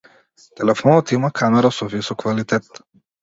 Телефонот има камера со висок квалитет.